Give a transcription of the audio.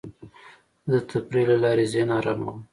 زه د تفریح له لارې ذهن اراموم.